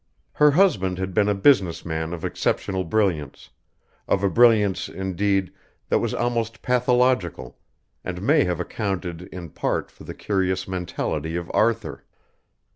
Her husband had been a business man of exceptional brilliance, of a brilliance, indeed, that was almost pathological, and may have accounted in part for the curious mentality of Arthur.